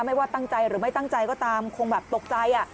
ไม่ว่าตั้งใจหรือไม่ตั้งใจก็ตามคงแบบตกใจ